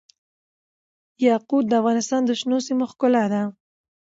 یاقوت د افغانستان د شنو سیمو ښکلا ده.